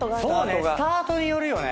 スタートによるよね。